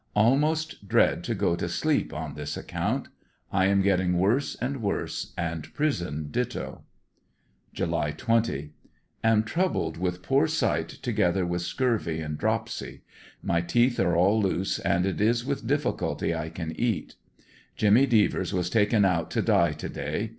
Almost dread to go to sleep ' n this account. I am getting worse and worse, and prison ditto. July 20. — Am troubled with poor sight together with scurvy and dropsy. My teeth are all loose and it is with difficulty I can eat. ANDERSONYILLE DIARY. 89 Jimmy Devers was. taken out to die to day.